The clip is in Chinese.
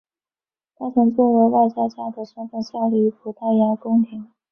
他曾作为外交家的身份效力于葡萄牙宫廷。